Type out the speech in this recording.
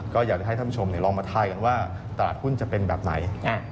ก็อยากจะให้ท่านผู้ชมลองมาทายกันว่าตลาดหุ้นจะเป็นแบบไหน